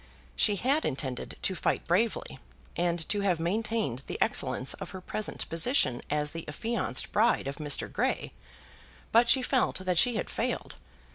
She had intended to fight bravely, and to have maintained the excellence of her present position as the affianced bride of Mr. Grey, but she felt that she had failed.